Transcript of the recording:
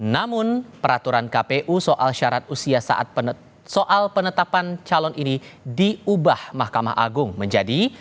namun peraturan kpu soal syarat usia saat soal penetapan calon ini diubah mahkamah agung menjadi